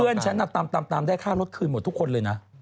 ฉันตามได้ค่ารถคืนหมดทุกคนเลยนะ